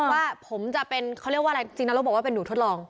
ว่าผมจะเป็นเขาเรียกว่าอะไรจริงนรกบอกว่าเป็นหนูทดลอง